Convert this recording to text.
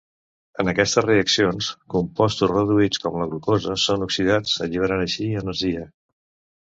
En aquestes reaccions, compostos reduïts com la glucosa són oxidats, alliberant així energia.